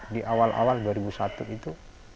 di awal awal dua ribu satu itu